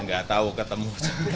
nggak tahu ketemu